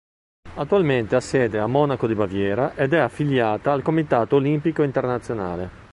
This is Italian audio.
Attualmente ha sede a Monaco di Baviera ed è affiliata al Comitato Olimpico Internazionale.